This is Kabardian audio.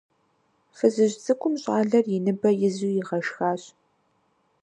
Фызыжь цӀыкӀум щӀалэр и ныбэ изу игъашхащ.